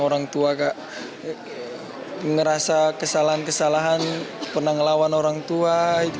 orang tua kayak ngerasa kesalahan kesalahan pernah ngelawan orang tua